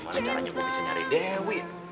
gimana caranya aku bisa nyari dewi